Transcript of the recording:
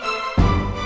sampai jumpa lagi